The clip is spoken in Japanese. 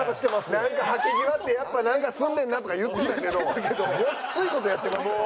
「なんかはけ際ってやっぱなんかすんねんな」とか言ってたけどごっつい事やってましたよ。